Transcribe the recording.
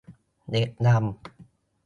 เด็กดำ